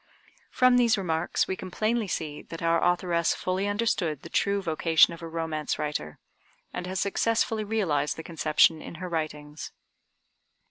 From these remarks we can plainly see that our authoress fully understood the true vocation of a romance writer, and has successfully realized the conception in her writings.